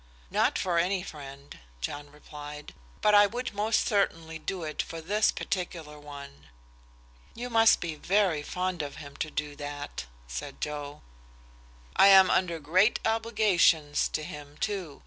"Not for any friend," John replied. "But I would most certainly do it for this particular one." "You must be very fond of him to do that," said Joe. "I am under great obligations to him, too.